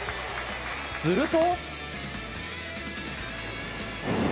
すると。